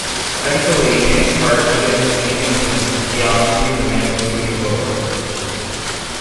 Eventually Inness' art evidenced the influence of the theology of Emanuel Swedenborg.